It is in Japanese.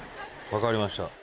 分かりました。